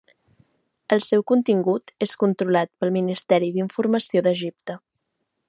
El seu contingut és controlat pel Ministeri d'Informació d'Egipte.